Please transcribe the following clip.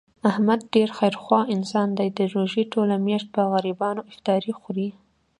احمد ډېر خیر خوا انسان دی، د روژې ټوله میاشت په غریبانو افطاري خوري.